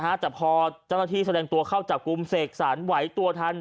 แต่พอเจ้าหน้าที่แสดงตัวเข้าจับกลุ่มเสกสรรไหวตัวทัน